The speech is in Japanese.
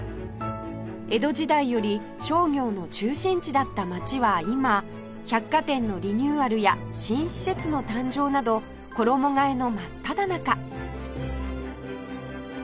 江戸時代より商業の中心地だった街は今百貨店のリニューアルや新施設の誕生など衣替えの真っただ中